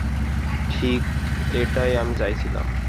ঠিক এটাই আমি চাইছিলাম না।